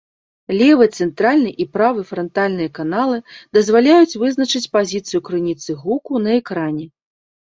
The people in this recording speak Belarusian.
Левы, цэнтральны і правы франтальныя каналы дазваляюць вызначыць пазіцыю крыніцы гуку на экране.